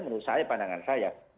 menurut saya pandangan saya